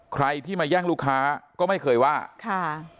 ใครที่มาแย่งลูกค้าก็ไม่เคยว่าค่ะ